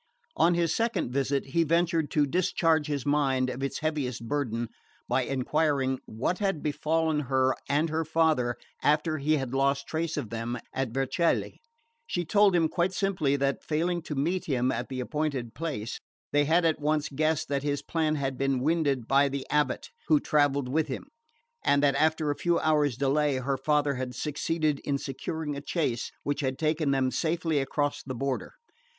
On his second visit he ventured to discharge his mind of its heaviest burden by enquiring what had befallen her and her father after he had lost trace of them at Vercelli. She told him quite simply that, failing to meet him at the appointed place, they at once guessed that his plan had been winded by the abate who travelled with him; and that after a few hours' delay her father had succeeded in securing a chaise which had taken them safely across the border.